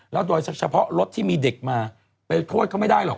โดยเฉพาะรถที่มีเด็กมาไปโทษเขาไม่ได้หรอก